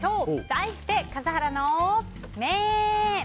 題して笠原の眼。